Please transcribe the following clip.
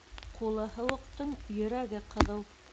Ҡулы һыуыҡтың йөрәге ҡыҙыу.